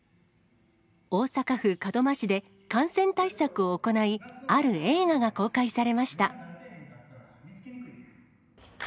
大阪府門真市で感染対策を行い、ある映画が公開されました。